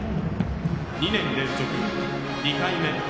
２年連続２回目。